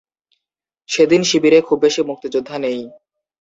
সেদিন শিবিরে খুব বেশি মুক্তিযোদ্ধা নেই।